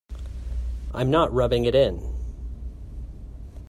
I'm not rubbing it in.